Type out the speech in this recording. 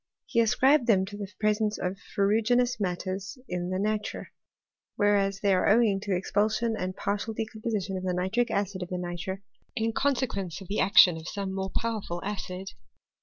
He ascribed them to the presence of ferruginous matters in the nitre ; whereas they are owing to the expulsion and partial decompo ution of the nitric acid of the nitre, in consequence of the action of some more powerful acid.